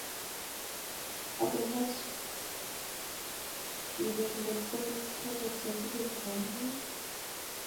Ako moch ibeet ngot ko rebetyo tugul, komwoi.